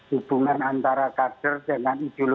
hubungan antara kader dengan ideologi